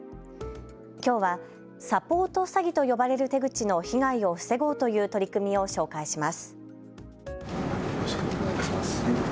きょうはサポート詐欺と呼ばれる手口の被害を防ごうという取り組みを紹介します。